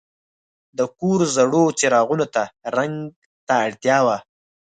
د کور زړو څراغونو ته رنګ ته اړتیا وه.